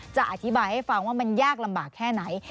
จะอธิบายให้ฟังว่ามันยากลำบากแค่ไหน